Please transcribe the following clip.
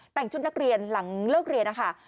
แต่งชุดนักเรียนหลังเลิกเรียนนะคะ